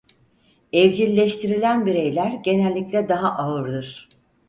Evcilleştirilen bireyler genellikle daha ağırdır.